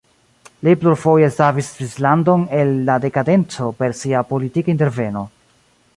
Li plurfoje savis Svislandon el la dekadenco per sia politika interveno.